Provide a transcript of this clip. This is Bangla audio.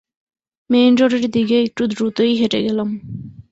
মেইনরোডের দিকে একটু দ্রুতই হেঁটে গেলাম।